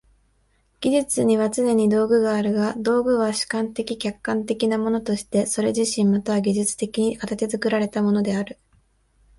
技術にはつねに道具があるが、道具は主観的・客観的なものとしてそれ自身また技術的に形作られたものである。